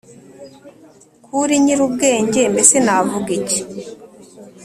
ko uri nyirubwenge mbese navuga iki?